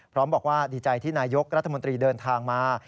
พร้อมบอกว่าดีใจที่นายกรัฐมนตรีเดินทางมา